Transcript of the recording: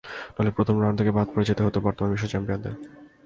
না হলে প্রথম রাউন্ড থেকেই বাদ পড়ে যেতে হতো বর্তমান বিশ্ব চ্যাম্পিয়নদের।